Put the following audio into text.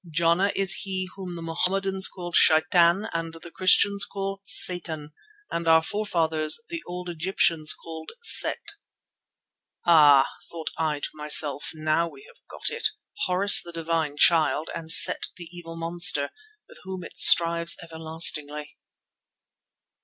Jana is he whom the Mohammedans call Shaitan and the Christians call Satan, and our forefathers, the old Egyptians, called Set." "Ah!" thought I to myself, "now we have got it. Horus the Divine Child, and Set the evil monster, with whom it strives everlastingly."